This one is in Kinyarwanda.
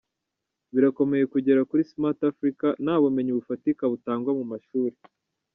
Birakomeye kugera kuri Smart Afrika ntabumenyi bufatika butangwa mu mashuri”.